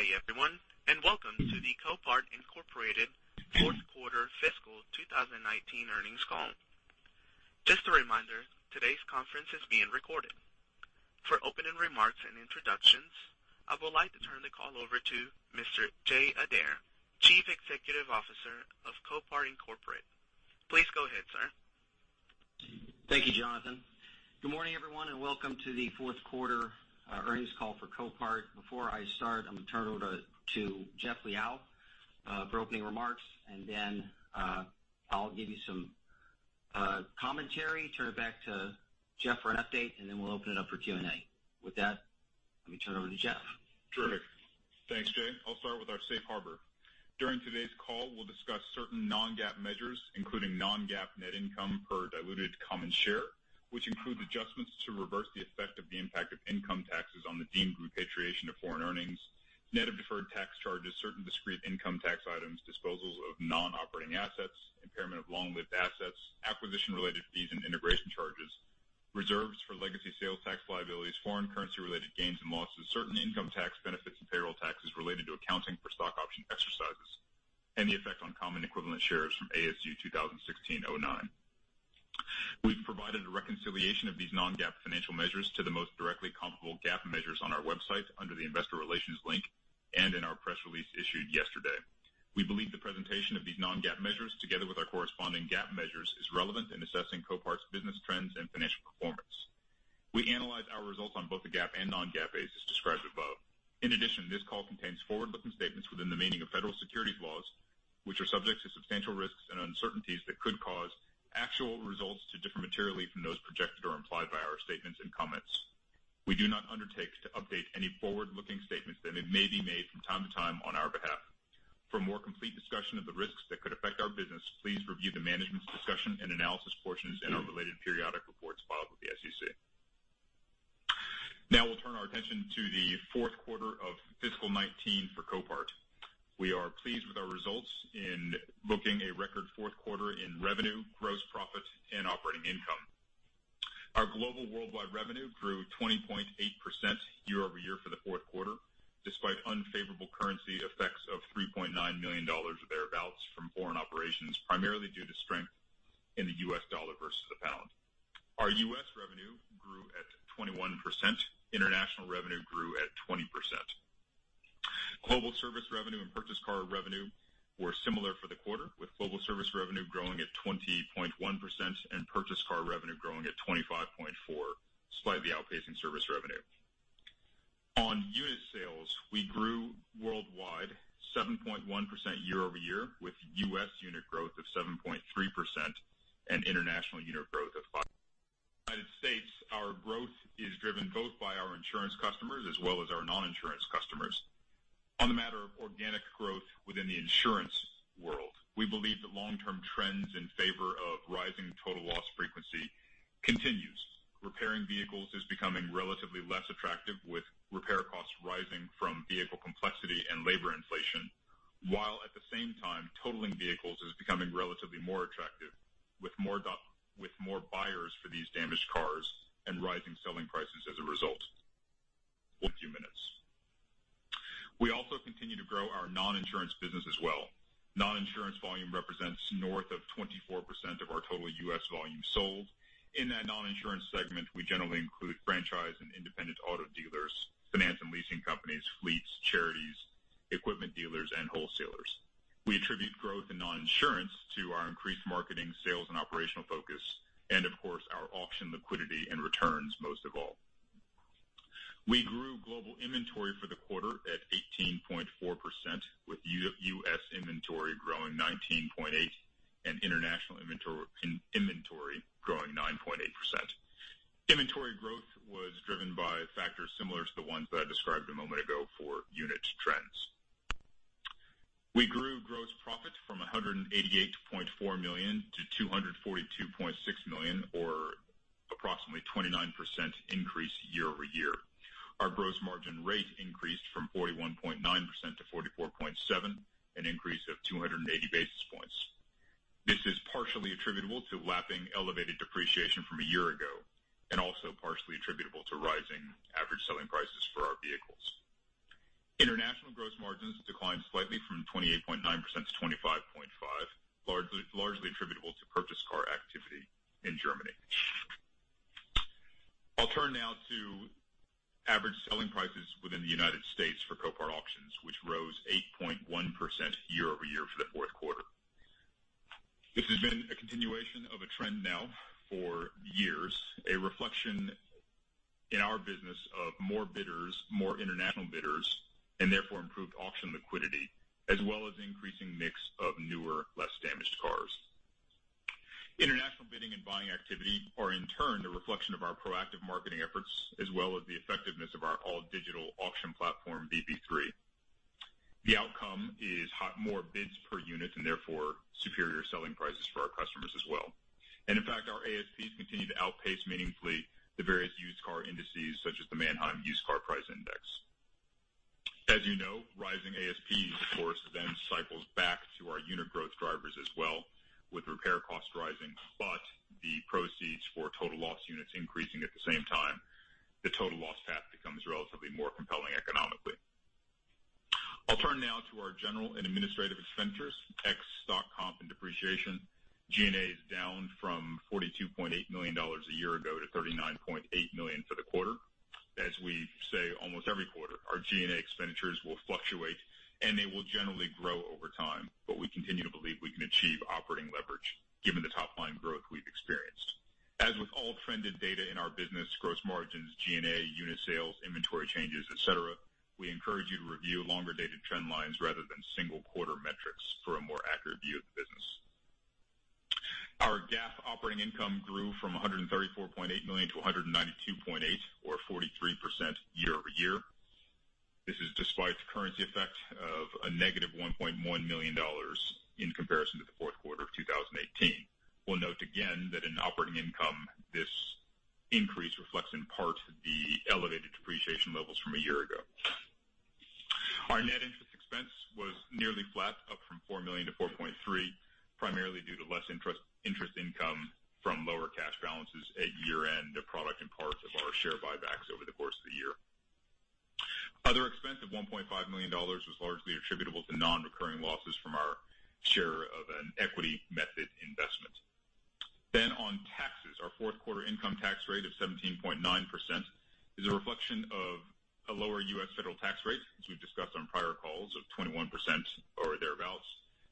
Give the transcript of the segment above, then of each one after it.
Good day, everyone, and welcome to the Copart, Inc. fourth quarter fiscal 2019 earnings call. Just a reminder, today's conference is being recorded. For opening remarks and introductions, I would like to turn the call over to Mr. Jay Adair, Chief Executive Officer of Copart, Inc.. Please go ahead, sir. Thank you, Jonathan. Good morning, everyone, and welcome to the fourth quarter earnings call for Copart. Before I start, I'm going to turn it over to Jeff Liaw for opening remarks, and then I'll give you some commentary, turn it back to Jeff for an update, and then we'll open it up for Q&A. With that, let me turn it over to Jeff. Terrific. Thanks, Jay. I'll start with our safe harbor. During today's call, we'll discuss certain non-GAAP measures, including non-GAAP net income per diluted common share, which includes adjustments to reverse the effect of the impact of income taxes on the deemed repatriation of foreign earnings, net of deferred tax charges, certain discrete income tax items, disposals of non-operating assets, impairment of long-lived assets, acquisition related fees and integration charges, reserves for legacy sales tax liabilities, foreign currency-related gains and losses, certain income tax benefits and payroll taxes related to accounting for stock option exercises, and the effect on common equivalent shares from ASU 2016-09. We've provided a reconciliation of these non-GAAP financial measures to the most directly comparable GAAP measures on our website under the investor relations link and in our press release issued yesterday. We believe the presentation of these non-GAAP measures, together with our corresponding GAAP measures, is relevant in assessing Copart's business trends and financial performance. We analyze our results on both a GAAP and non-GAAP basis described above. In addition, this call contains forward-looking statements within the meaning of federal securities laws, which are subject to substantial risks and uncertainties that could cause actual results to differ materially from those projected or implied by our statements and comments. We do not undertake to update any forward-looking statements that may be made from time to time on our behalf. For a more complete discussion of the risks that could affect our business, please review the management's discussion and analysis portions in our related periodic reports filed with the SEC. Now we'll turn our attention to the fourth quarter of fiscal 2019 for Copart. We are pleased with our results in booking a record fourth quarter in revenue, gross profit and operating income. Our global worldwide revenue grew 20.8% year-over-year for the fourth quarter, despite unfavorable currency effects of $3.9 million or thereabouts from foreign operations, primarily due to strength in the US dollar versus the pound. Our U.S. revenue grew at 21%. International revenue grew at 20%. Global service revenue and purchased car revenue were similar for the quarter, with global service revenue growing at 20.1% and purchased car revenue growing at 25.4%, slightly outpacing service revenue. On unit sales, we grew worldwide 7.1% year-over-year, with U.S. unit growth of 7.3% and international unit growth of 5%. United States, our growth is driven both by our insurance customers as well as our non-insurance customers. On the matter of organic growth within the insurance world, we believe that long-term trends in favor of rising total loss frequency continues. Repairing vehicles is becoming relatively less attractive, with repair costs rising from vehicle complexity and labor inflation, while at the same time, totaling vehicles is becoming relatively more attractive with more buyers for these damaged cars and rising selling prices as a result. We also continue to grow our non-insurance business as well. Non-insurance volume represents north of 24% of our total U.S. volume sold. In that non-insurance segment, we generally include franchise and independent auto dealers, finance and leasing companies, fleets, charities, equipment dealers, and wholesalers. We attribute growth in non-insurance to our increased marketing, sales, and operational focus, and of course, our auction liquidity and returns, most of all. We grew global inventory for the quarter at 18.4%, with U.S. inventory growing 19.8% and international inventory growing 9.8%. Inventory growth was driven by factors similar to the ones that I described a moment ago for unit trends. We grew gross profit from $188.4 million to $242.6 million, or approximately 29% increase year-over-year. Our gross margin rate increased from 41.9% to 44.7%, an increase of 280 basis points. This is partially attributable to lapping elevated depreciation from a year ago and also partially attributable to rising average selling prices for our vehicles. International gross margins declined slightly from 28.9% to 25.5%, largely attributable to purchased car activity in Germany. I'll turn now to average selling prices within the U.S. for Copart Auctions, which rose 8.1% year-over-year for the fourth quarter. This has been a continuation of a trend now for years, a reflection in our business of more bidders, more international bidders, and therefore improved auction liquidity, as well as increasing mix of newer, less damaged cars. International bidding and buying activity are in turn a reflection of our proactive marketing efforts as well as the effectiveness of our all-digital auction platform, VB3. The outcome is more bids per unit and therefore superior selling prices for our customers as well. In fact, our ASPs continue to outpace meaningfully the various used car indices such as the Manheim Used Vehicle Value Index. As you know, rising ASPs, of course, To our unit growth drivers as well, with repair costs rising, but the proceeds for total loss units increasing at the same time, the total loss path becomes relatively more compelling economically. I'll turn now to our general and administrative expenditures, ex stock comp and depreciation. G&A is down from $42.8 million a year ago to $39.8 million for the quarter. As we say almost every quarter, our G&A expenditures will fluctuate, and they will generally grow over time, but we continue to believe we can achieve operating leverage given the top-line growth we've experienced. As with all trended data in our business, gross margins, G&A, unit sales, inventory changes, et cetera, we encourage you to review longer-dated trend lines rather than single quarter metrics for a more accurate view of the business. Our GAAP operating income grew from $134.8 million to $192.8 million or 43% year-over-year. This is despite the currency effect of a negative $1.1 million in comparison to the fourth quarter of 2018. We'll note again that in operating income, this increase reflects in part the elevated depreciation levels from a year ago. Our net interest expense was nearly flat, up from $4 million to $4.3, primarily due to less interest income from lower cash balances at year-end, a product in part of our share buybacks over the course of the year. Other expense of $1.5 million was largely attributable to non-recurring losses from our share of an equity method investment. On taxes, our fourth quarter income tax rate of 17.9% is a reflection of a lower U.S. federal tax rate, as we've discussed on prior calls, of 21% or thereabouts,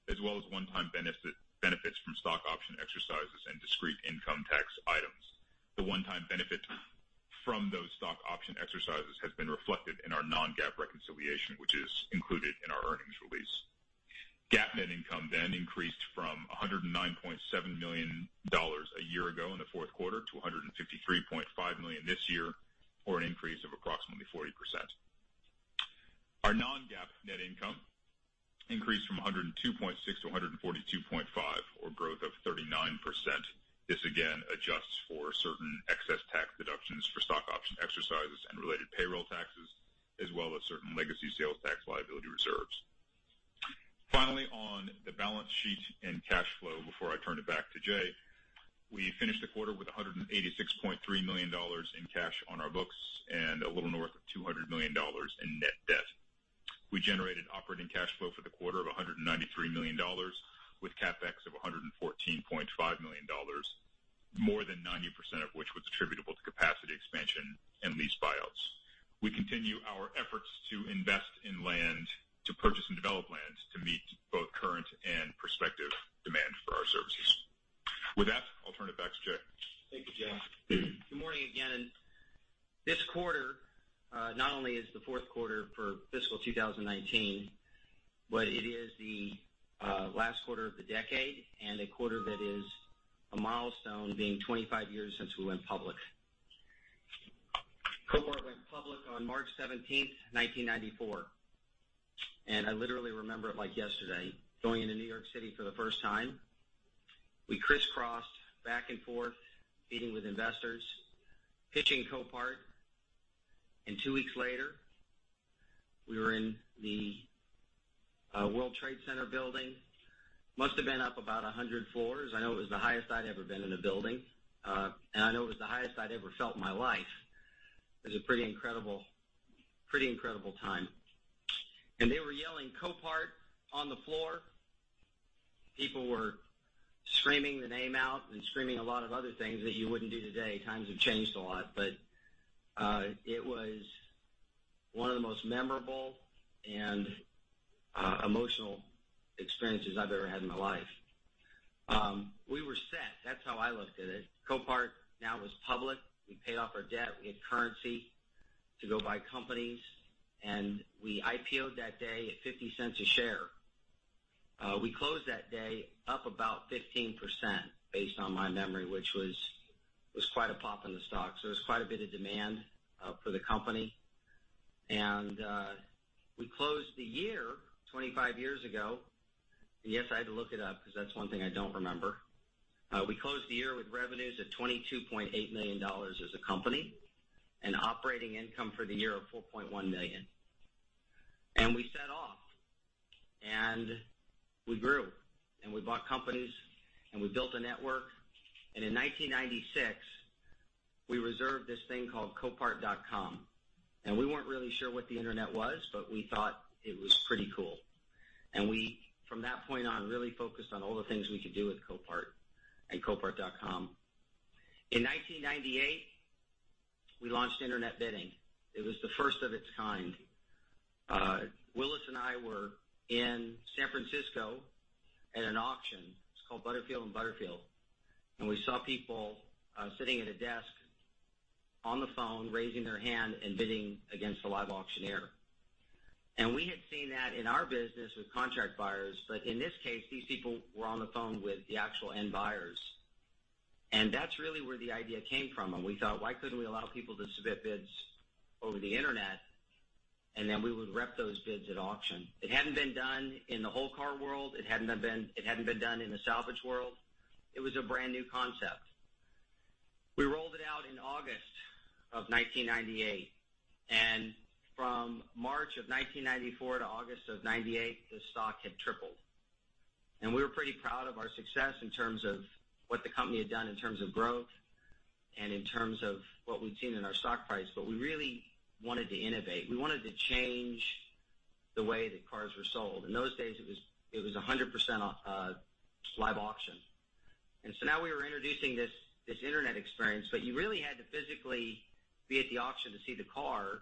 as well as one-time benefits from stock option exercises and discrete income tax items. The one-time benefit from those stock option exercises has been reflected in our non-GAAP reconciliation, which is included in our earnings release. GAAP net income increased from $109.7 million a year ago in the fourth quarter to $153.5 million this year, or an increase of approximately 40%. Our non-GAAP net income increased from $102.6 to $142.5, or growth of 39%. This again adjusts for certain excess tax deductions for stock option exercises and related payroll taxes, as well as certain legacy sales tax liability reserves. Finally, on the balance sheet and cash flow, before I turn it back to Jay, we finished the quarter with $186.3 million in cash on our books and a little north of $200 million in net debt. We generated operating cash flow for the quarter of $193 million, with CapEx of $114.5 million, more than 90% of which was attributable to capacity expansion and lease buyouts. We continue our efforts to invest in land, to purchase and develop lands to meet both current and prospective demand for our services. With that, I'll turn it back to Jay. Thank you, Jeff. Good morning again. This quarter not only is the fourth quarter for fiscal 2019, but it is the last quarter of the decade and a quarter that is a milestone, being 25 years since we went public. Copart went public on March 17th, 1994, and I literally remember it like yesterday, going into New York City for the first time. We crisscrossed back and forth meeting with investors, pitching Copart, and two weeks later, we were in the World Trade Center building. Must have been up about 100 floors. I know it was the highest I'd ever been in a building, and I know it was the highest I'd ever felt in my life. It was a pretty incredible time. They were yelling, "Copart" on the floor. People were screaming the name out and screaming a lot of other things that you wouldn't do today. Times have changed a lot. It was one of the most memorable and emotional experiences I've ever had in my life. We were set. That's how I looked at it. Copart now was public. We paid off our debt. We had currency to go buy companies. We IPO'd that day at $0.50 a share. We closed that day up about 15%, based on my memory, which was quite a pop in the stock. There was quite a bit of demand for the company. We closed the year, 25 years ago, and yes, I had to look it up because that's one thing I don't remember. We closed the year with revenues of $22.8 million as a company and operating income for the year of $4.1 million. We set off, and we grew, and we bought companies, and we built a network. In 1996, we reserved this thing called copart.com. We weren't really sure what the internet was, but we thought it was pretty cool. We, from that point on, really focused on all the things we could do with Copart and copart.com. In 1998, we launched internet bidding. It was the first of its kind. Willis and I were in San Francisco at an auction. It was called Butterfield & Butterfield. We saw people sitting at a desk on the phone, raising their hand and bidding against a live auctioneer. We had seen that in our business with contract buyers, but in this case, these people were on the phone with the actual end buyers. That's really where the idea came from, and we thought, why couldn't we allow people to submit bids over the internet, and then we would rep those bids at auction? It hadn't been done in the whole car world. It hadn't been done in the salvage world. It was a brand-new concept of 1998. From March of 1994 to August of 1998, the stock had tripled. We were pretty proud of our success in terms of what the company had done in terms of growth, and in terms of what we'd seen in our stock price, we really wanted to innovate. We wanted to change the way that cars were sold. In those days, it was 100% live auction. Now we were introducing this internet experience, you really had to physically be at the auction to see the car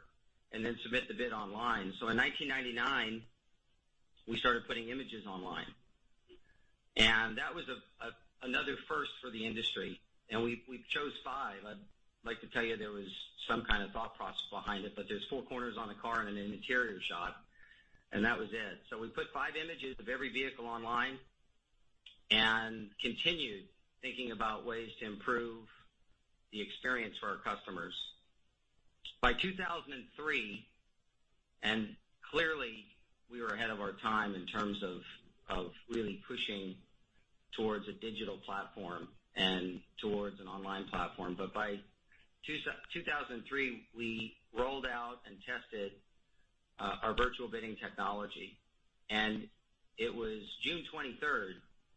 and then submit the bid online. In 1999, we started putting images online, and that was another first for the industry. We chose five. I'd like to tell you there was some kind of thought process behind it, but there's four corners on a car and an interior shot, and that was it. We put five images of every vehicle online and continued thinking about ways to improve the experience for our customers. By 2003, and clearly, we were ahead of our time in terms of really pushing towards a digital platform and towards an online platform. By 2003, we rolled out and tested our virtual bidding technology, and it was June 23rd,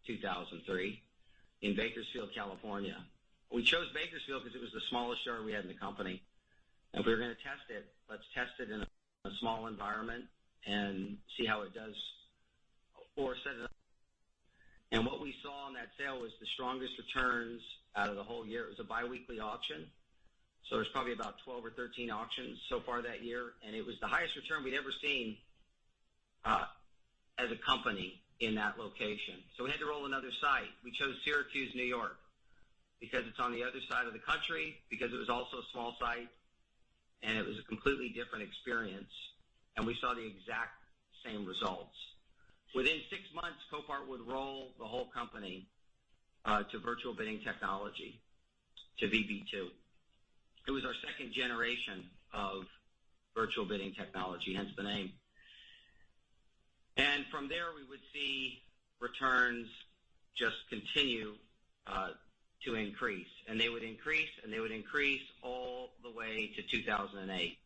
2003, in Bakersfield, California. We chose Bakersfield because it was the smallest store we had in the company, and if we were going to test it, let's test it in a small environment and see how it does before setting it up. What we saw on that sale was the strongest returns out of the whole year. It was a biweekly auction, so it was probably about 12 or 13 auctions so far that year, and it was the highest return we'd ever seen as a company in that location. We had to roll another site. We chose Syracuse, New York, because it's on the other side of the country, because it was also a small site, and it was a completely different experience. We saw the exact same results. Within six months, Copart would roll the whole company to virtual bidding technology, to VB2. It was our second generation of virtual bidding technology, hence the name. From there, we would see returns just continue to increase. They would increase all the way to 2008.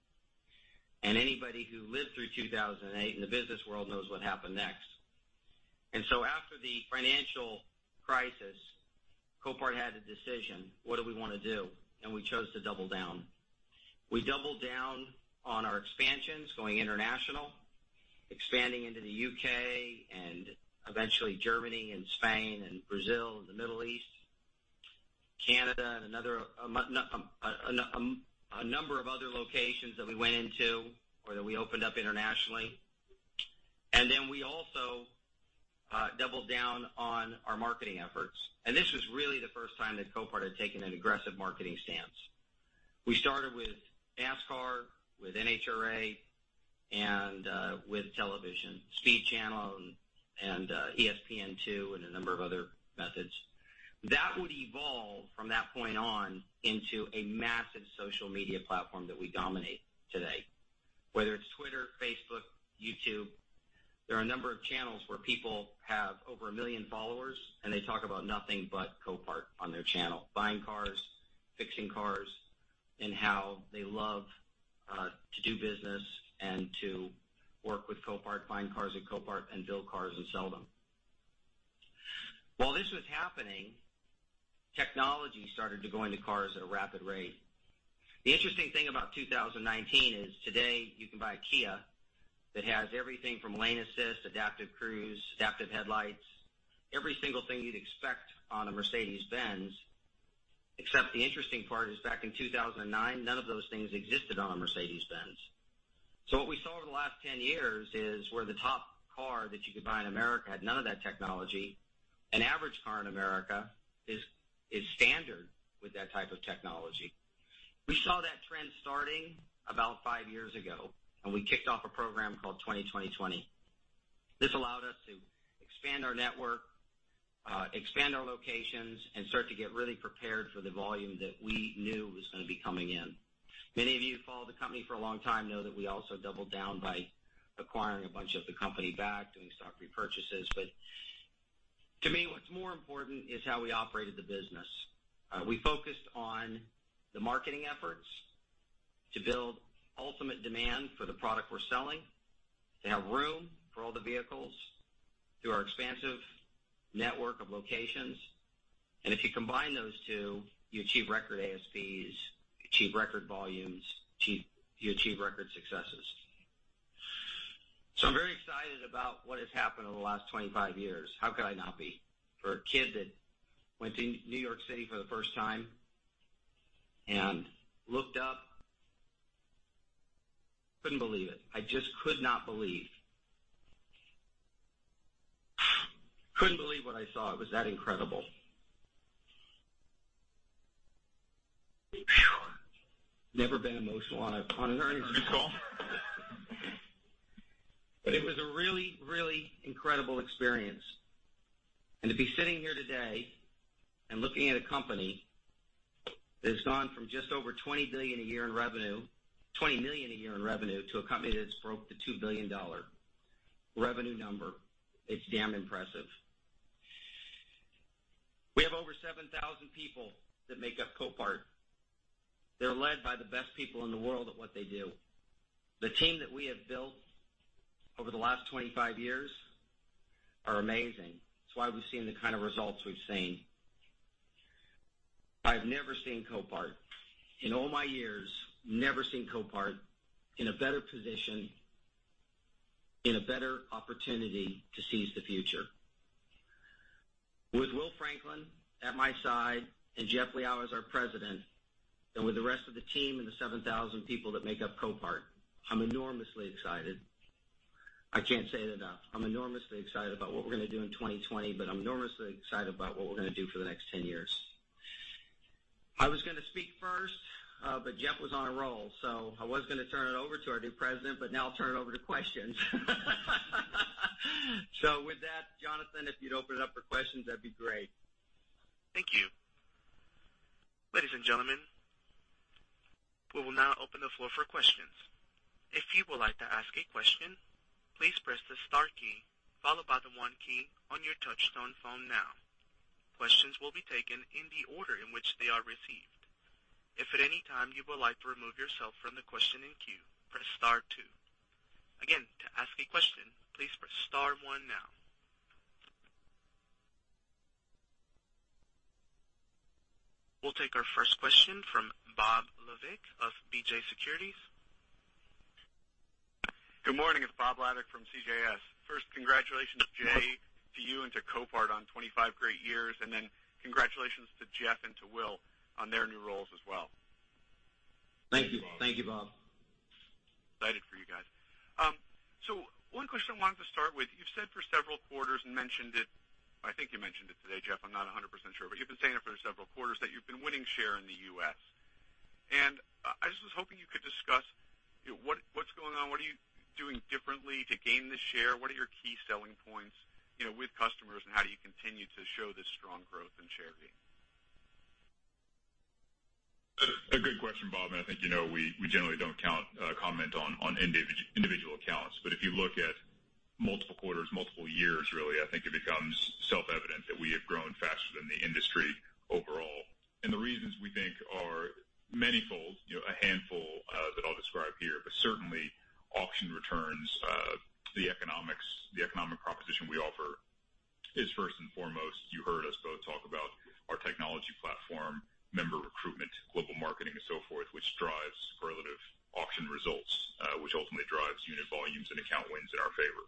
Anybody who lived through 2008 in the business world knows what happened next. After the financial crisis, Copart had a decision. What do we want to do? We chose to double down. We doubled down on our expansions, going international, expanding into the U.K., eventually Germany and Spain and Brazil and the Middle East, Canada, and a number of other locations that we went into or that we opened up internationally. We also doubled down on our marketing efforts. This was really the first time that Copart had taken an aggressive marketing stance. We started with NASCAR, with NHRA, with television, Speed Channel and ESPN2, and a number of other methods. That would evolve from that point on into a massive social media platform that we dominate today. Whether it's Twitter, Facebook, YouTube, there are a number of channels where people have over 1 million followers, and they talk about nothing but Copart on their channel. Buying cars, fixing cars, and how they love to do business and to work with Copart, buying cars at Copart, and build cars and sell them. While this was happening, technology started to go into cars at a rapid rate. The interesting thing about 2019 is today you can buy a Kia that has everything from lane assist, adaptive cruise, adaptive headlights, every single thing you'd expect on a Mercedes-Benz. Except the interesting part is back in 2009, none of those things existed on a Mercedes-Benz. What we saw over the last 10 years is where the top car that you could buy in America had none of that technology, an average car in America is standard with that type of technology. We saw that trend starting about five years ago, and we kicked off a program called 20/20/20. This allowed us to expand our network, expand our locations, and start to get really prepared for the volume that we knew was going to be coming in. Many of you who followed the company for a long time know that we also doubled down by acquiring a bunch of the company back, doing stock repurchases. To me, what's more important is how we operated the business. We focused on the marketing efforts to build ultimate demand for the product we're selling, to have room for all the vehicles through our expansive network of locations, and if you combine those two, you achieve record ASPs, you achieve record volumes, you achieve record successes. I'm very excited about what has happened over the last 25 years. How could I not be? For a kid that went to New York City for the first time and looked up, couldn't believe it. I just could not believe. Couldn't believe what I saw. It was that incredible. Never been emotional on an earnings call. It was a really, really incredible experience. To be sitting here today and looking at a company that has gone from just over $20 million a year in revenue to a company that's broke the $2 billion revenue number, it's damn impressive. We have over 7,000 people that make up Copart. They're led by the best people in the world at what they do. The team that we have built over the last 25 years are amazing. It's why we've seen the kind of results we've seen. I've never seen Copart, in all my years, never seen Copart in a better position, in a better opportunity to seize the future. With Will Franklin at my side and Jeff Liaw as our president, and with the rest of the team and the 7,000 people that make up Copart, I'm enormously excited. I can't say it enough. I'm enormously excited about what we're going to do in 2020, but I'm enormously excited about what we're going to do for the next 10 years. I was going to speak first, but Jeff was on a roll, so I was going to turn it over to our new president, but now I'll turn it over to questions. With that, Jonathan, if you'd open it up for questions, that'd be great. Thank you. Ladies and gentlemen, we will now open the floor for questions. If you would like to ask a question, please press the star key followed by the one key on your touchtone phone now. Questions will be taken in the order in which they are received. If at any time you would like to remove yourself from the questioning queue, press star two. Again, to ask a question, please press star one now. We'll take our first question from Bob Labick of CJS Securities. Good morning. It's Bob Labick from CJS. Congratulations, Jay, to you and to Copart on 25 great years. Congratulations to Jeff and to Will on their new roles as well. Thank you. Thank you, Bob. Excited for you guys. One question I wanted to start with. You've said for several quarters and mentioned it, I think you mentioned it today, Jeff, I'm not 100% sure, but you've been saying it for several quarters that you've been winning share in the U.S. I just was hoping you could discuss what's going on. What are you doing differently to gain the share? What are your key selling points with customers, and how do you continue to show this strong growth and share gain? I think you know we generally don't comment on individual accounts. If you look at multiple quarters, multiple years really, I think it becomes self-evident that we have grown faster than the industry overall. The reasons we think are manyfold. A handful that I'll describe here, but certainly auction returns, the economic proposition we offer is first and foremost. You heard us both talk about our technology platform, member recruitment, global marketing, and so forth, which drives superlative auction results, which ultimately drives unit volumes and account wins in our favor.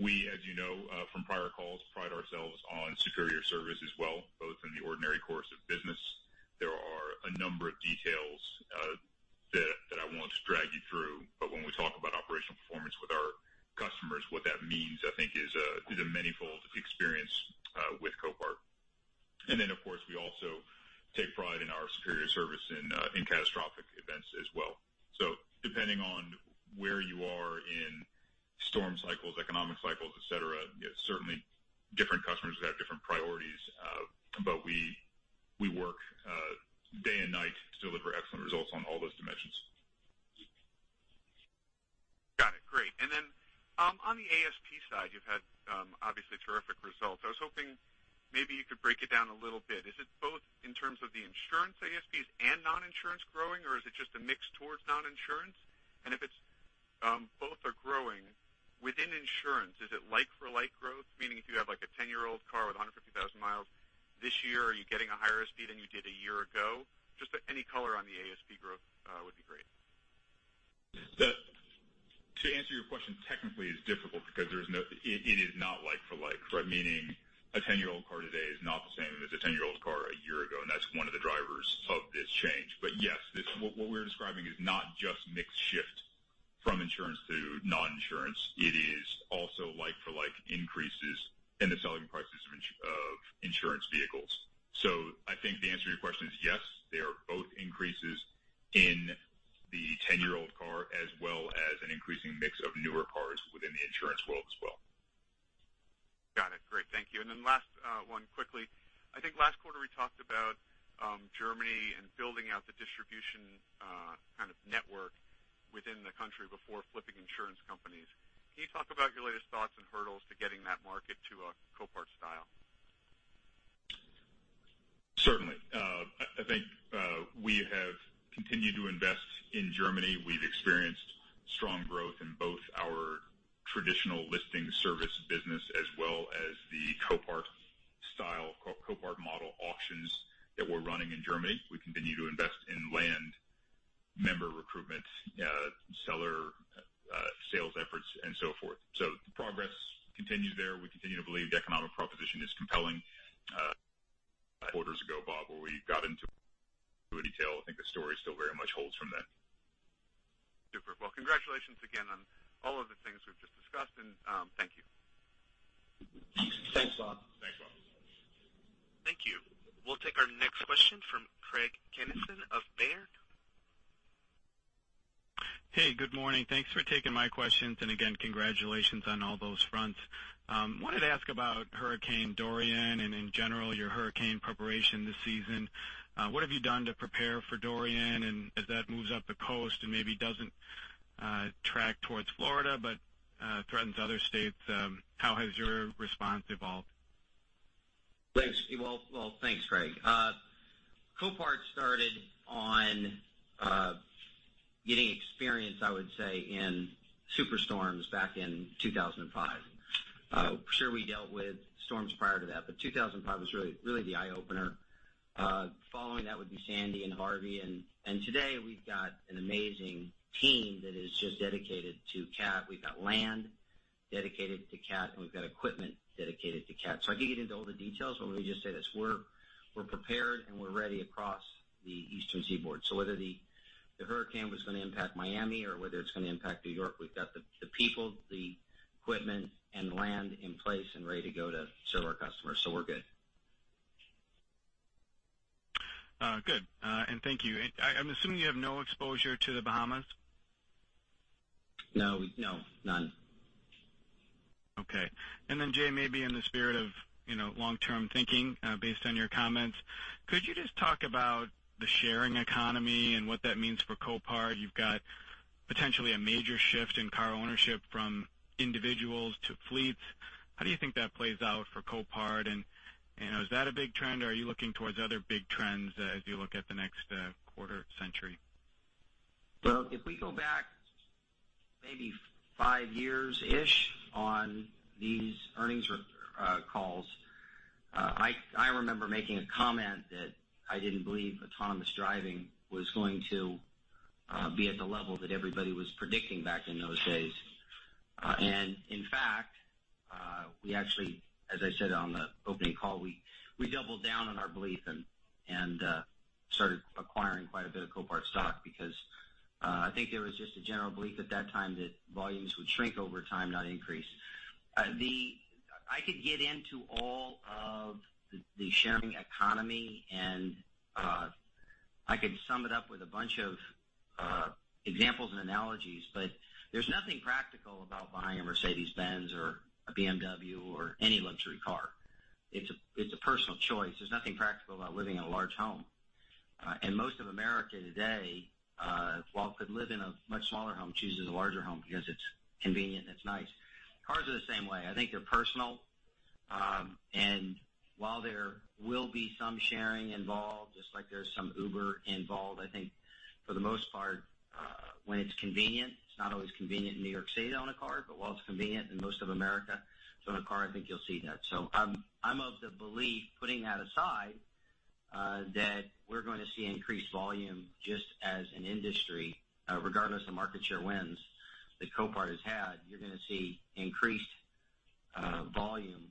We, as you know from prior calls, pride ourselves on superior service as well, both in the ordinary course of business. There are a number of details that I won't drag you through, but when we talk about operational performance with our customers, what that means, I think, is a manifold experience with Copart. Of course, we also take pride in our superior service in catastrophic events as well. Depending on where you are in storm cycles, economic cycles, et cetera, certainly different customers have different priorities. We work day and night to deliver excellent results on all those dimensions. Got it. Great. On the ASP side, you've had obviously terrific results. I was hoping maybe you could break it down a little bit. Is it both in terms of the insurance ASPs and non-insurance growing, or is it just a mix towards non-insurance? If both are growing, within insurance, is it like-for-like growth? Meaning if you have a 10-year-old car with 150,000 miles this year, are you getting a higher ASP than you did a year ago? Just any color on the ASP growth would be great. To answer your question technically is difficult because it is not like for like. Meaning a 10-year-old car today is not the same as a 10-year-old car a year ago. That's one of the drivers of this change. Yes, what we're describing is not just mix shift from insurance to non-insurance. It is also like-for-like increases in the selling prices of insurance vehicles. I think the answer to your question is yes, they are both increases in the 10-year-old car as well as an increasing mix of newer cars within the insurance world as well. Got it. Great. Thank you. Last one quickly. I think last quarter we talked about Germany and building out the distribution kind of network within the country before flipping insurance companies. Can you talk about your latest thoughts and hurdles to getting that market to a Copart style? Certainly. I think we have continued to invest in Germany. We've experienced strong growth in both our traditional listing service business as well as the Copart style, Copart model auctions that we're running in Germany. We continue to invest in land member recruitment, seller sales efforts, and so forth. The progress continues there. We continue to believe the economic proposition is compelling. Quarters ago, Bob, where we got into the detail, I think the story still very much holds from then. Super. Well, congratulations again on all of the things we've just discussed, and thank you. Thanks, Bob. Thanks, Bob. Thank you. We'll take our next question from Craig Kennison of Baird. Hey, good morning. Thanks for taking my questions, and again, congratulations on all those fronts. Wanted to ask about Hurricane Dorian and in general, your hurricane preparation this season. What have you done to prepare for Dorian? As that moves up the coast and maybe doesn't track towards Florida but threatens other states, how has your response evolved? Thanks. Well, thanks, Craig. Copart started on getting experience, I would say, in super storms back in 2005. Sure, we dealt with storms prior to that, but 2005 was really the eye-opener. Following that would be Sandy and Harvey, and today we've got an amazing team that is just dedicated to CAT. We've got land dedicated to CAT, and we've got equipment dedicated to CAT. I could get into all the details, but let me just say this, we're prepared, and we're ready across the Eastern Seaboard. Whether the hurricane was going to impact Miami or whether it's going to impact New York, we've got the people, the equipment, and the land in place and ready to go to serve our customers. We're good. Good, thank you. I'm assuming you have no exposure to the Bahamas. No. None. Okay. Jay, maybe in the spirit of long-term thinking, based on your comments, could you just talk about the sharing economy and what that means for Copart? You've got potentially a major shift in car ownership from individuals to fleets. How do you think that plays out for Copart, and is that a big trend, or are you looking towards other big trends as you look at the next quarter century? Well, if we go back maybe five years-ish on these earnings calls, I remember making a comment that I didn't believe autonomous driving was going to be at the level that everybody was predicting back in those days. In fact, we actually, as I said on the opening call, we doubled down on our belief and started acquiring quite a bit of Copart stock because, I think there was just a general belief at that time that volumes would shrink over time, not increase. I could get into all of the sharing economy and I could sum it up with a bunch of examples and analogies, but there's nothing practical about buying a Mercedes-Benz or a BMW or any luxury car. It's a personal choice. There's nothing practical about living in a large home. Most of America today, while could live in a much smaller home, chooses a larger home because it's convenient and it's nice. Cars are the same way. I think they're personal, and while there will be some sharing involved, just like there's some Uber involved, I think for the most part, when it's convenient, it's not always convenient in New York City to own a car, but while it's convenient in most of America to own a car, I think you'll see that. I'm of the belief, putting that aside, that we're going to see increased volume just as an industry, regardless of market share wins that Copart has had. You're going to see increased volume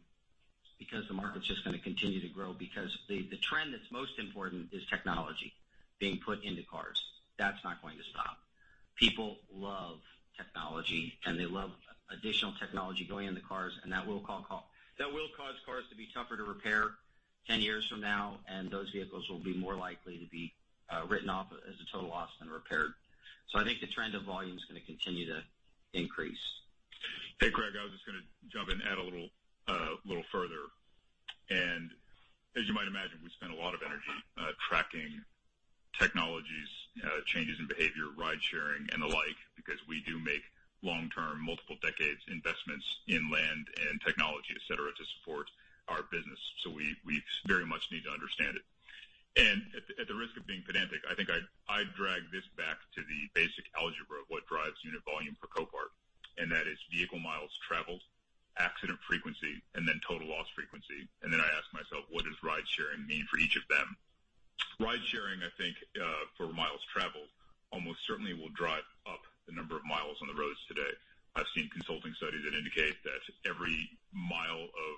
because the market's just going to continue to grow because the trend that's most important is technology being put into cars. That's not going to stop. People love technology, and they love additional technology going into cars, and that will cause cars to be tougher to repair 10 years from now, and those vehicles will be more likely to be written off as a total loss than repaired. I think the trend of volume is going to continue to increase. Hey, Craig, I was just going to jump in, add a little further. As you might imagine, we spend a lot of energy tracking technologies, changes in behavior, ride sharing, and the like, because we do make long-term, multiple decades investments in land and technology, et cetera, to support our business. We very much need to understand it. At the risk of being pedantic, I think I'd drag this back to the basic algebra of what drives unit volume for Copart, and that is vehicle miles traveled, accident frequency, and then total loss frequency. I ask myself, what does ride sharing mean for each of them? Ride sharing, I think, for miles traveled, almost certainly will drive up the number of miles on the roads today. I've seen consulting studies that indicate that every mile of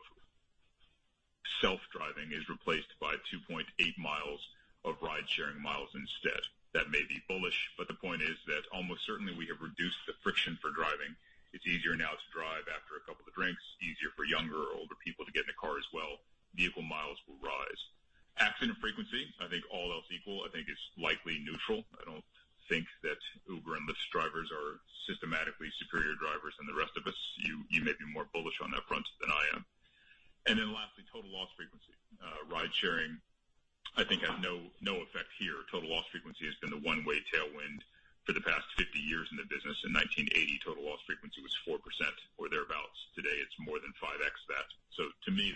self-driving is replaced by 2.8 miles of ride sharing miles instead. That may be bullish, but the point is that almost certainly we have reduced the friction for driving. It's easier now to drive after a couple of drinks, easier for younger or older people to get in a car as well. Vehicle miles will rise. Accident frequency, I think all else equal, I think is likely neutral. I don't think that Uber and Lyft drivers are systematically superior drivers than the rest of us. You may be more bullish on that front than I am. Lastly, total loss frequency. Ride sharing, I think has no effect here. Total loss frequency has been the one-way tailwind for the past 50 years in the business. In 1980, total loss frequency was 4% or thereabouts. Today, it's more than 5x that. To me,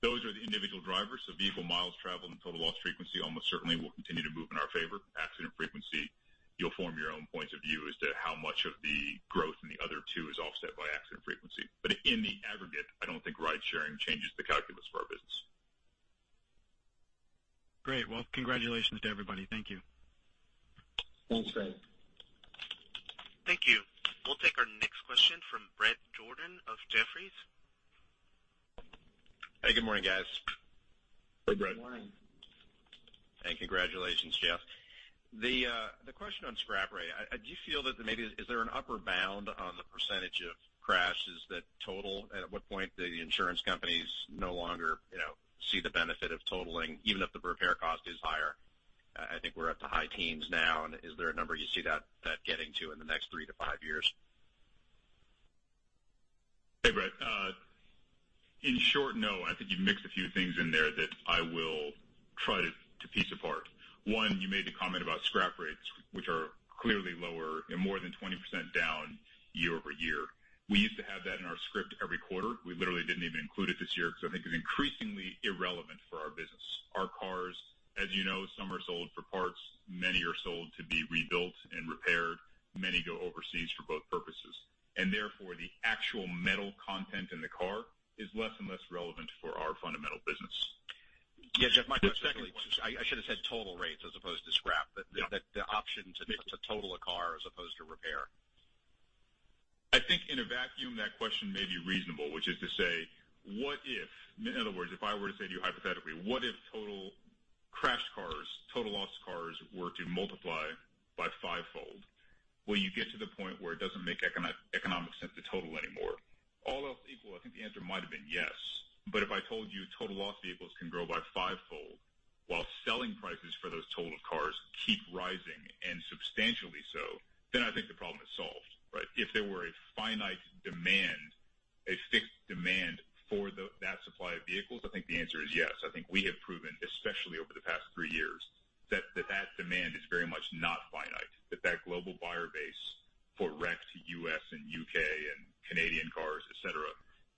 those are the individual drivers. Vehicle miles traveled and total loss frequency almost certainly will continue to move in our favor. Accident frequency, you'll form your own points of view as to how much of the growth in the other two is offset by accident frequency. In the aggregate, I don't think ride sharing changes the calculus for our business. Great. Well, congratulations to everybody. Thank you. Thanks, Craig. Thank you. We'll take our next question from Bret Jordan of Jefferies. Hey, good morning, guys. Hey, Bret. Good morning. Congratulations, Jeff. The question on scrap rate, do you feel that maybe is there an upper bound on the % of crashes that total? At what point the insurance companies no longer see the benefit of totaling, even if the repair cost is higher? I think we're at the high teens now. Is there a number you see that getting to in the next three to five years? Hey, Bret. In short, no. I think you've mixed a few things in there that I will try to piece apart. One, you made the comment about scrap rates, which are clearly lower and more than 20% down year-over-year. We used to have that in our script every quarter. We literally didn't even include it this year because I think it's increasingly irrelevant for our business. Our cars, as you know, some are sold for parts, many are sold to be rebuilt and repaired, many go overseas for both purposes, and therefore the actual metal content in the car is less and less relevant for our fundamental business. Yeah, Jeff, my question is, I should have said total rates as opposed to scrap. Yeah. The option to total a car as opposed to repair. I think in a vacuum, that question may be reasonable, which is to say, what if, in other words, if I were to say to you hypothetically, what if total crashed cars, total loss cars, were to multiply by fivefold? Will you get to the point where it doesn't make economic sense to total anymore? All else equal, I think the answer might have been yes. If I told you total loss vehicles can grow by fivefold while selling prices for those totaled cars keep rising and substantially so, then I think the problem is solved, right? If there were a finite demand, a fixed demand for that supply of vehicles, I think the answer is yes. I think we have proven, especially over the past three years, that that demand is very much not finite, that that global buyer base for wrecked U.S. and U.K. and Canadian cars, et cetera,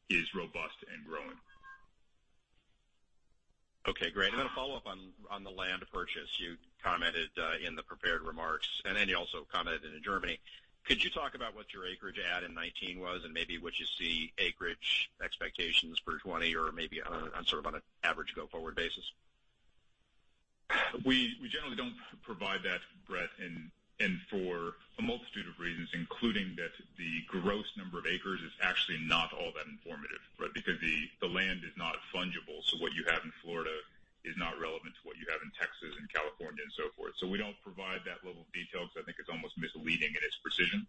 is robust and growing. Okay, great. Then a follow-up on the land purchase. You commented in the prepared remarks, and then you also commented in Germany. Could you talk about what your acreage add in 2019 was and maybe what you see acreage expectations for 2020 or maybe on sort of on an average go forward basis? We generally don't provide that, Bret, for a multitude of reasons, including that the gross number of acres is actually not all that informative, right? The land is not fungible, what you have in Florida is not relevant to what you have in Texas and California and so forth. We don't provide that level of detail because I think it's almost misleading in its precision.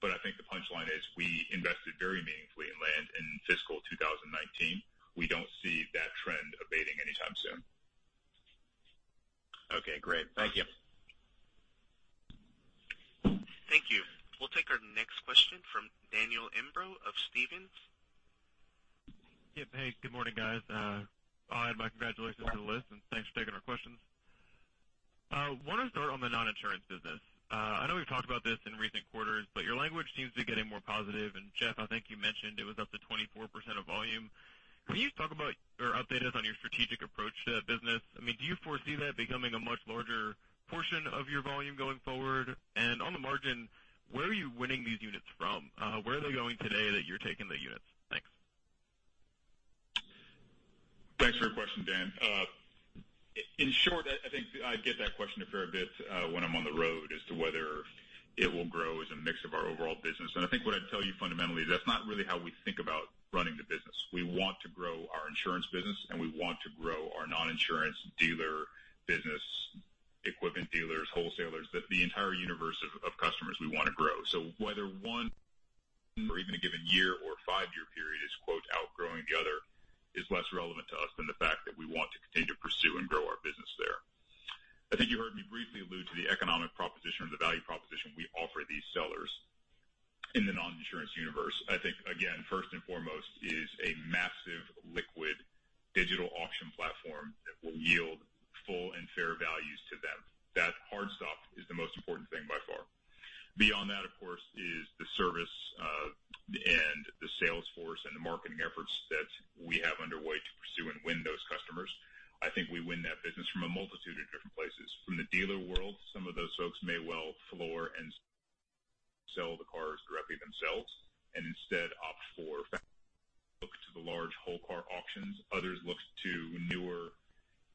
I think the punchline is we invested very meaningfully in land in fiscal 2019. We don't see that trend abating anytime soon. Okay, great. Thank you. Thank you. We'll take our next question from Daniel Imbro of Stephens. Yep. Hey, good morning, guys. I'll add my congratulations to the list and thanks for taking our questions. I want to start on the non-insurance business. I know we've talked about this in recent quarters, but your language seems to be getting more positive. Jeff, I think you mentioned it was up to 24% of volume. Can you talk about or update us on your strategic approach to that business? I mean, do you foresee that becoming a much larger portion of your volume going forward? And on the margin, where are you winning these units from? Where are they going today that you're taking the units? Thanks. Thanks for your question, Dan. In short, I think I get that question a fair bit when I'm on the road as to whether it will grow as a mix of our overall business. I think what I'd tell you fundamentally, that's not really how we think about running the business. We want to grow our insurance business, and we want to grow our non-insurance dealer business, equipment dealers, wholesalers, the entire universe of customers we want to grow. Whether one or even a given year or five-year period is "outgrowing" the other is less relevant to us than the fact that we want to continue to pursue and grow our business there. I think you heard me briefly allude to the economic proposition or the value proposition we offer these sellers in the non-insurance universe. I think, again, first and foremost is a massive liquid digital auction platform that will yield full and fair values to them. That hard stop is the most important thing by far. Beyond that, of course, is the service and the sales force and the marketing efforts that we have underway to pursue and win those customers. I think we win that business from a multitude of different places. From the dealer world, some of those folks may well floor and sell the cars directly themselves and instead opt for look to the large whole car auctions. Others look to newer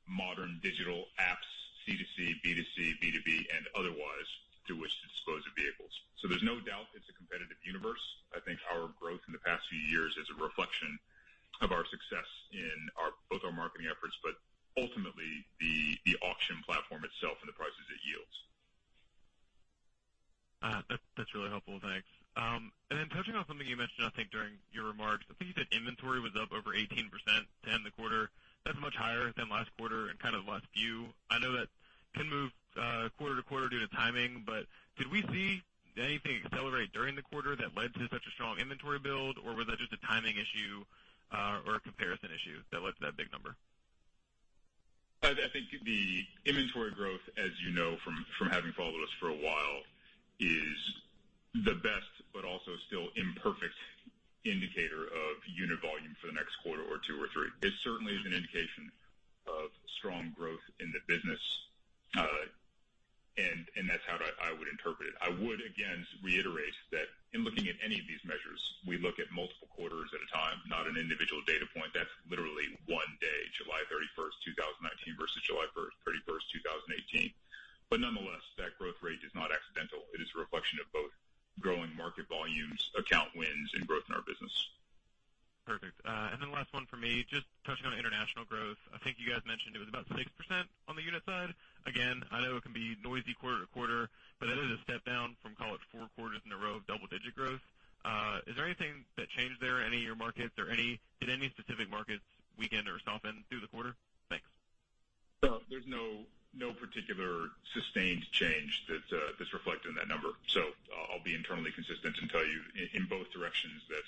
modern digital apps, C2C, B2C, B2B, and otherwise through which to dispose of vehicles. There's no doubt it's a competitive universe. I think our growth in the past few years is a reflection of our success in both our marketing efforts, but ultimately the auction platform itself and the prices it yields. That's really helpful. Thanks. Touching on something you mentioned, I think, during your remarks. I think you said inventory was up over 18% to end the quarter. That's much higher than last quarter and kind of the last few. I know that can move quarter to quarter due to timing, did we see anything accelerate during the quarter that led to such a strong inventory build, or was that just a timing issue or a comparison issue that led to that big number? I think the inventory growth, as you know from having followed us for a while, is the best but also still imperfect indicator of unit volume for the next quarter or two or three. It certainly is an indication of strong growth in the business. That's how I would interpret it. I would, again, reiterate that in looking at any of these measures, we look at multiple quarters at a time, not an individual data point. That's literally one day, July 31st, 2019 versus July 31st, 2018. Nonetheless, that growth rate is not accidental. It is a reflection of both growing market volumes, account wins, and growth in our business. Perfect. Last one for me, just touching on international growth. I think you guys mentioned it was about 6% on the unit side. Again, I know it can be noisy quarter to quarter, but that is a step down from, call it, four quarters in a row of double-digit growth. Is there anything that changed there, any of your markets or did any specific markets weaken or soften through the quarter? Thanks. There's no particular sustained change that's reflected in that number. I'll be internally consistent and tell you in both directions that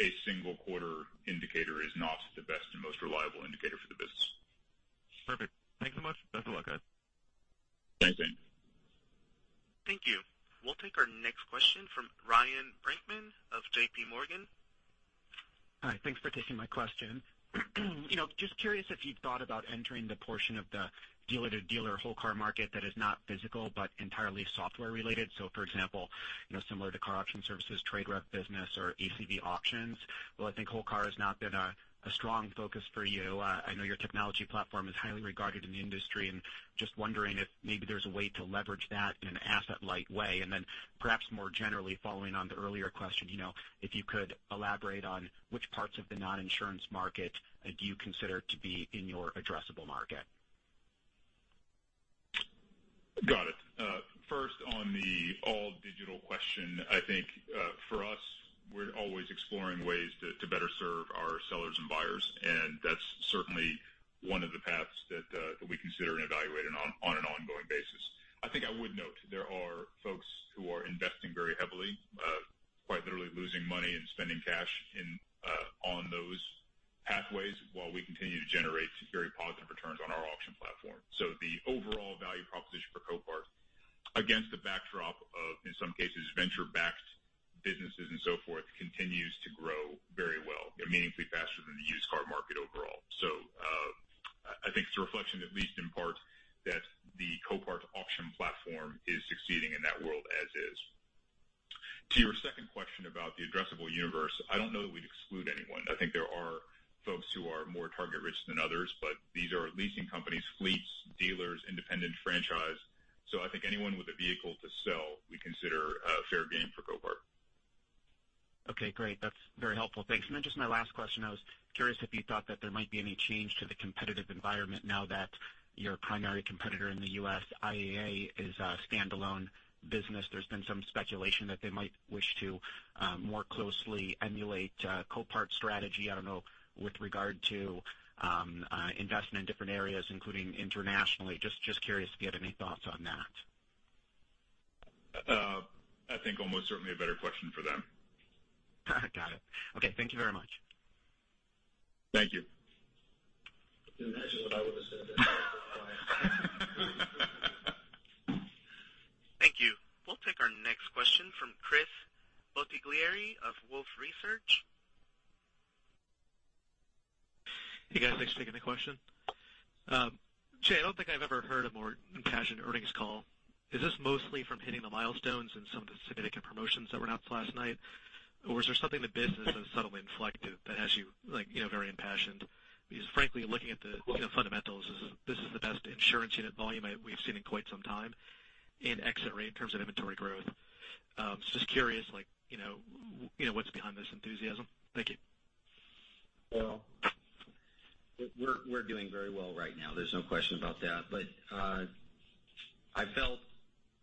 a single quarter indicator is not the best and most reliable indicator for the business. Perfect. Thanks so much. Best of luck, guys. Thanks, Dan. Thank you. We'll take our next question from Ryan Brinkman of JPMorgan. Hi. Thanks for taking my question. Just curious if you've thought about entering the portion of the dealer-to-dealer whole car market that is not physical but entirely software related. For example, similar to KAR Auction Services, TradeRev business, or ACV Auctions, while I think whole car has not been a strong focus for you, I know your technology platform is highly regarded in the industry, and just wondering if maybe there's a way to leverage that in an asset-light way. Perhaps more generally, following on the earlier question, if you could elaborate on which parts of the non-insurance market do you consider to be in your addressable market? Got it. First, on the all-digital question, I think for us, we're always exploring ways to better serve our sellers and buyers, that's certainly one of the paths that we consider and evaluate on an ongoing basis. I think I would note, there are folks who are investing very heavily, quite literally losing money and spending cash on those pathways while we continue to generate very positive returns on our auction platform. The overall value proposition for Copart, against a backdrop of, in some cases, venture-backed businesses and so forth, continues to grow very well, meaningfully faster than the used car market overall. I think it's a reflection, at least in part, that the Copart auction platform is succeeding in that world as is. To your second question about the addressable universe, I don't know that we'd exclude anyone. I think there are folks who are more target-rich than others, these are leasing companies, fleets, dealers, independent franchise. I think anyone with a vehicle to sell, we consider fair game for Copart. Okay, great. That's very helpful. Thanks. Just my last question, I was curious if you thought that there might be any change to the competitive environment now that your primary competitor in the U.S., IAA, is a standalone business. There's been some speculation that they might wish to more closely emulate Copart's strategy. I don't know, with regard to investment in different areas, including internationally. Just curious if you had any thoughts on that. I think almost certainly a better question for them. Got it. Okay, thank you very much. Thank you. Imagine what I would've said to that. Thank you. We'll take our next question from Chris Bottiglieri of Wolfe Research. Hey, guys. Thanks for taking the question. Jay, I don't think I've ever heard a more impassioned earnings call. Is this mostly from hitting the milestones and some of the significant promotions that were announced last night? Or is there something the business has suddenly inflected that has you very impassioned? Frankly, looking at the fundamentals, this is the best insurance unit volume we've seen in quite some time in exit rate in terms of inventory growth. Just curious, what's behind this enthusiasm? Thank you. Well, we're doing very well right now. There's no question about that. I felt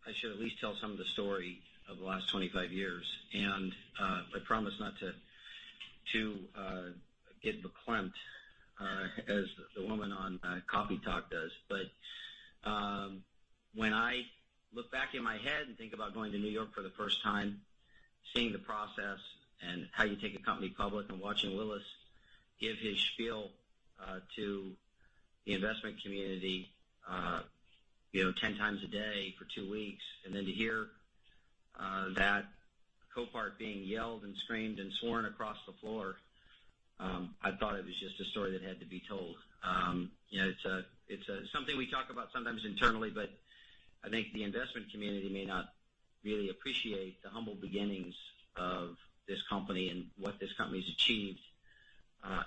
I should at least tell some of the story of the last 25 years, and I promise not to get verklempt, as the woman on "Coffee Talk" does. When I look back in my head and think about going to New York for the first time, seeing the process and how you take a company public, and watching Willis give his spiel to the investment community 10 times a day for two weeks, and then to hear that Copart being yelled and screamed and sworn across the floor, I thought it was just a story that had to be told. It's something we talk about sometimes internally, but I think the investment community may not really appreciate the humble beginnings of this company and what this company's achieved,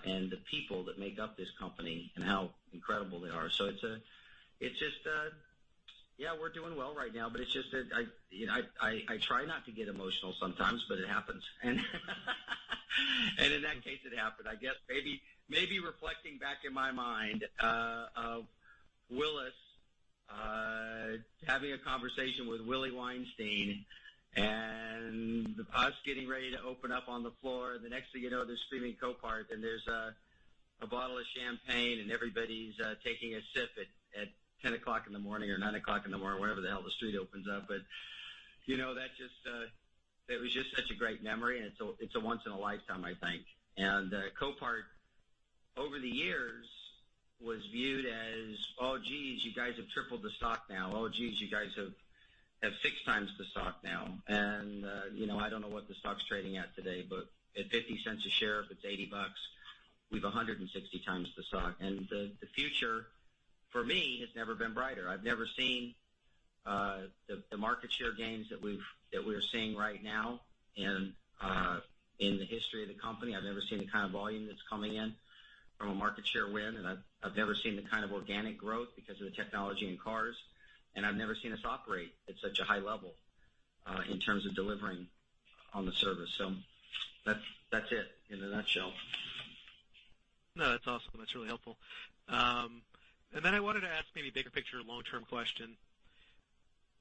and the people that make up this company and how incredible they are. It's just, yeah, we're doing well right now, but it's just that I try not to get emotional sometimes, but it happens. In that case, it happened. I guess maybe reflecting back in my mind of Willis having a conversation with Willie Weinstein and the puck's getting ready to open up on the floor. The next thing you know, they're screaming, "Copart." There's a bottle of champagne and everybody's taking a sip at 10 o'clock in the morning or nine o'clock in the morning, whatever the hell the street opens up. It was just such a great memory, and it's a once in a lifetime, I think. Copart, over the years, was viewed as, "Oh, geez, you guys have tripled the stock now." Oh, geez, you guys have six times the stock now. I don't know what the stock's trading at today, but at $0.50 a share, if it's $80, we've 160 times the stock. The future, for me, has never been brighter. I've never seen the market share gains that we're seeing right now in the history of the company. I've never seen the kind of volume that's coming in from a market share win, and I've never seen the kind of organic growth because of the technology in cars, and I've never seen us operate at such a high level in terms of delivering on the service. That's it in a nutshell. That's awesome. That's really helpful. I wanted to ask maybe bigger picture, long-term question.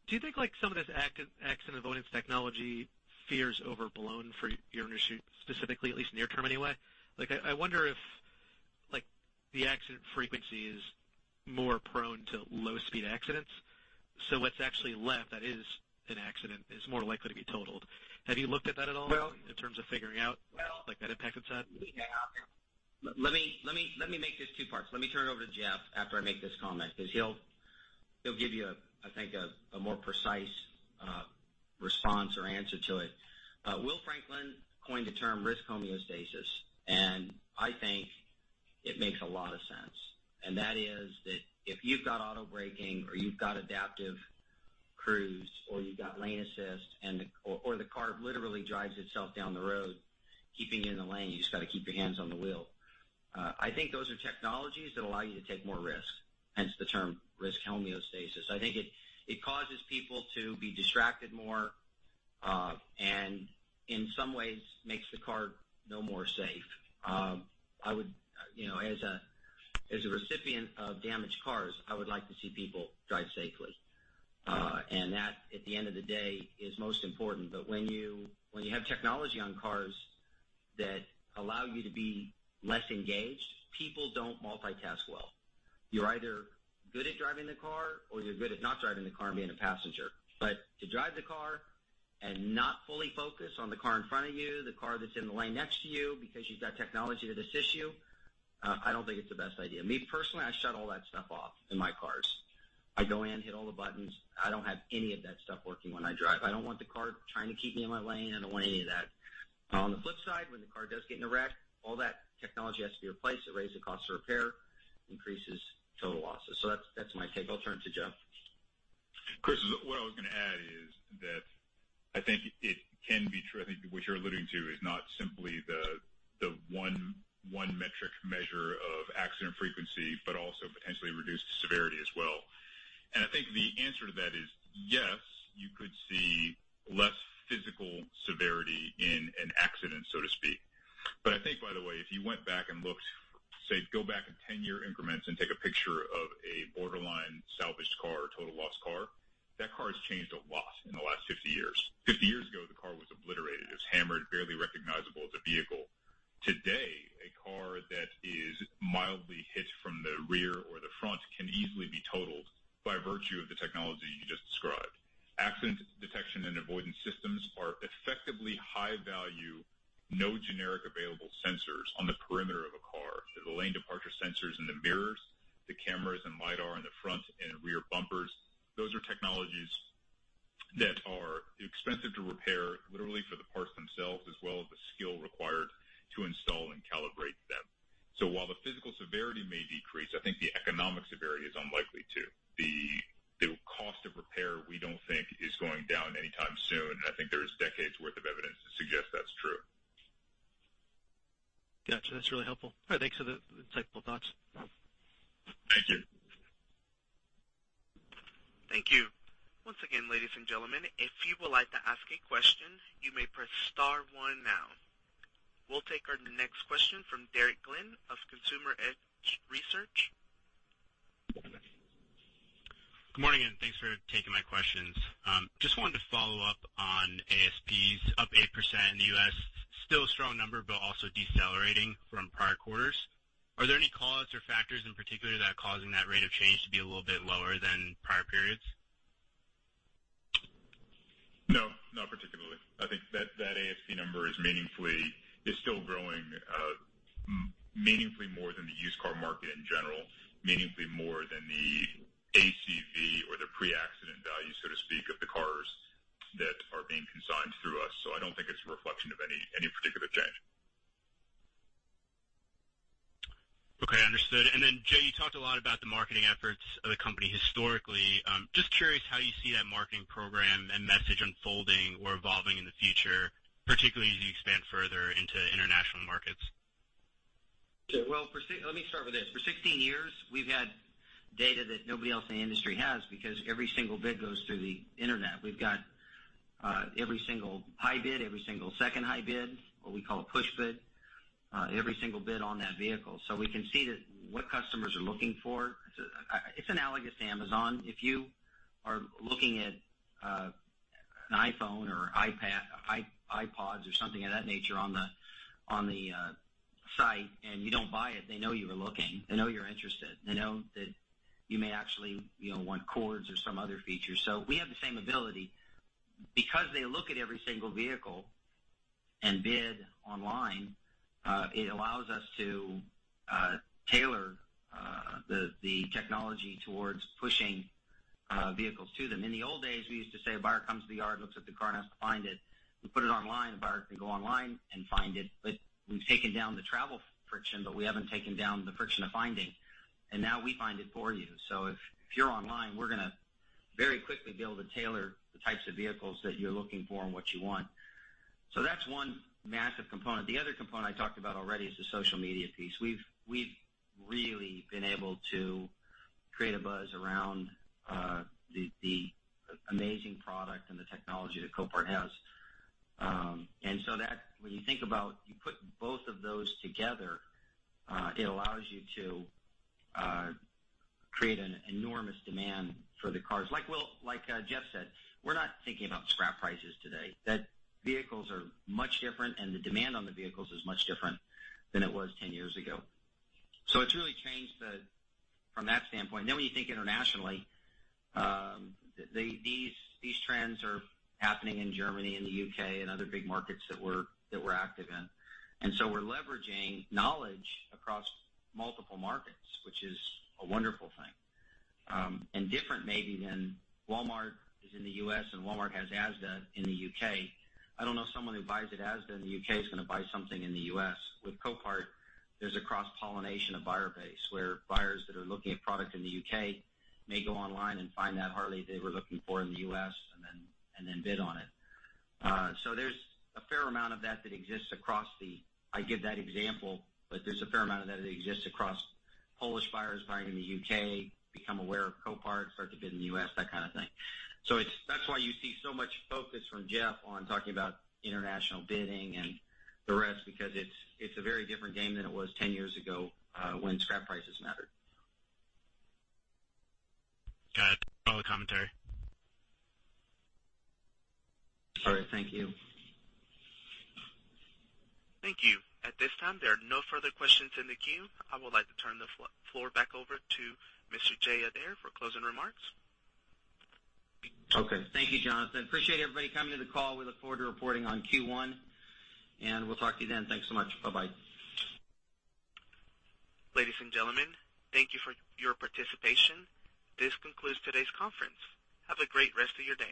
Do you think like some of this accident avoidance technology fear is overblown for your industry, specifically at least near term anyway? I wonder if the accident frequency is more prone to low-speed accidents. What's actually left that is an accident is more likely to be totaled. Have you looked at that at all in terms of figuring out that impact it's had? Let me make this two parts. Let me turn it over to Jeff after I make this comment, because he'll give you, I think, a more precise response or answer to it. William Franklin coined the term risk homeostasis, and I think it makes a lot of sense. That is that if you've got auto braking or you've got adaptive cruise or you've got lane assist or the car literally drives itself down the road, keeping it in the lane, you just got to keep your hands on the wheel. I think those are technologies that allow you to take more risks, hence the term risk homeostasis. I think it causes people to be distracted more, and in some ways makes the car no safer. As a recipient of damaged cars, I would like to see people drive safely. That, at the end of the day, is most important. When you have technology on cars that allow you to be less engaged, people don't multitask well. You're either good at driving the car, or you're good at not driving the car and being a passenger. To drive the car and not fully focus on the car in front of you, the car that's in the lane next to you, because you've got technology to assist you, I don't think it's the best idea. Me personally, I shut all that stuff off in my cars. I go in, hit all the buttons. I don't have any of that stuff working when I drive. I don't want the car trying to keep me in my lane. I don't want any of that. On the flip side, when the car does get in a wreck, all that technology has to be replaced. It raises the cost of repair, increases total losses. That's my take. I'll turn it to Jeff. Chris, what I was going to add is that I think what you're alluding to is not simply the one metric measure of accident frequency, but also potentially reduced severity as well. I think the answer to that is, yes, you could see less physical severity in an accident, so to speak. I think, by the way, if you went back and looked, say, go back in 10-year increments and take a picture of a borderline salvaged car or total loss car, that car has changed a lot in the last 50 years. 50 years ago, the car was obliterated. It was hammered, barely recognizable as a vehicle. Today, a car that is mildly hit from the rear or the front can easily be totaled by virtue of the technology you just described. Accident detection and avoidance systems are effectively high value, no generic available sensors on the perimeter of a car. There's lane departure sensors in the mirrors, the cameras and LIDAR in the front and rear bumpers. Those are technologies that are expensive to repair, literally for the parts themselves, as well as the skill required to install and calibrate them. While the physical severity may decrease, I think the economic severity is unlikely to. The cost of repair, we don't think is going down anytime soon, and I think there is decades worth of evidence to suggest that's true. Got you. That's really helpful. All right. Thanks for the insightful thoughts. Thank you. Thank you. Once again, ladies and gentlemen, if you would like to ask a question, you may press star one now. We'll take our next question from Derek Glenn of Consumer Edge Research. Good morning, and thanks for taking my questions. Just wanted to follow up on ASPs up 8% in the U.S. Still a strong number, but also decelerating from prior quarters. Are there any cause or factors in particular that are causing that rate of change to be a little bit lower than prior periods? No, not particularly. I think that ASP number is still growing meaningfully more than the used car market in general, meaningfully more than the ACV or the pre-accident value, so to speak, of the cars that are being consigned through us. I don't think it's a reflection of any particular change. Okay, understood. Jay, you talked a lot about the marketing efforts of the company historically. Just curious how you see that marketing program and message unfolding or evolving in the future, particularly as you expand further into international markets. Well, let me start with this. For 16 years, we've had data that nobody else in the industry has because every single bid goes through the internet. We've got every single high bid, every single second high bid, what we call a push bid, every single bid on that vehicle. We can see what customers are looking for. It's analogous to Amazon. If you are looking at an iPhone or iPad, iPods or something of that nature on the site and you don't buy it, they know you were looking. They know you're interested. They know that you may actually want cords or some other features. We have the same ability. They look at every single vehicle and bid online, it allows us to tailor the technology towards pushing vehicles to them. In the old days, we used to say a buyer comes to the yard, looks at the car, and has to find it. We put it online, the buyer can go online and find it, but we've taken down the travel friction, but we haven't taken down the friction of finding, and now we find it for you. If you're online, we're going to very quickly be able to tailor the types of vehicles that you're looking for and what you want. That's one massive component. The other component I talked about already is the social media piece. We've really been able to create a buzz around the amazing product and the technology that Copart has. When you think about, you put both of those together, it allows you to create an enormous demand for the cars. Jeff said, we're not thinking about scrap prices today. That vehicles are much different, and the demand on the vehicles is much different than it was 10 years ago. It's really changed from that standpoint. When you think internationally, these trends are happening in Germany and the U.K. and other big markets that we're active in. We're leveraging knowledge across multiple markets, which is a wonderful thing. Different maybe than Walmart is in the U.S. and Walmart has Asda in the U.K. I don't know if someone who buys at Asda in the U.K. is going to buy something in the U.S. With Copart, there's a cross-pollination of buyer base, where buyers that are looking at product in the U.K. may go online and find that Harley-Davidson they were looking for in the U.S. and then bid on it. There's a fair amount of that that exists. I give that example, but there's a fair amount of that that exists across Polish buyers buying in the U.K., become aware of Copart, start to bid in the U.S., that kind of thing. That's why you see so much focus from Jeff on talking about international bidding and the rest, because it's a very different game than it was 10 years ago when scrap prices mattered. Got it. Thanks for all the commentary. All right. Thank you. Thank you. At this time, there are no further questions in the queue. I would like to turn the floor back over to Mr. Jay Adair for closing remarks. Okay. Thank you, Jonathan. Appreciate everybody coming to the call. We look forward to reporting on Q1, and we'll talk to you then. Thanks so much. Bye-bye. Ladies and gentlemen, thank you for your participation. This concludes today's conference. Have a great rest of your day.